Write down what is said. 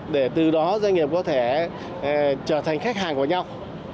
để từ đó doanh nghiệp có thể trở thành khách hàng của nhau